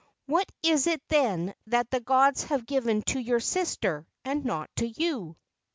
What is it then that the gods have given to your sister and not to you